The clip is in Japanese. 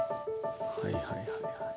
はいはいはいはい。